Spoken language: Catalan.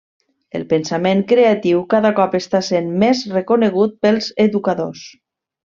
El pensament creatiu cada cop està sent més reconegut pels educadors.